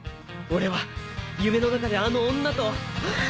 俺は夢の中であの女と。